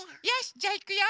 じゃあいくよ。